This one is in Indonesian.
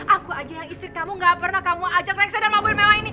aku aja yang istri kamu gak pernah kamu ajak reksadar mobil mewah ini